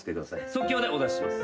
即興でお出しします。